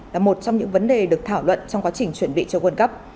là một trong những vấn đề được thảo luận trong quá trình chuẩn bị cho world cup